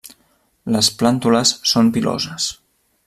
Les plàntules són piloses.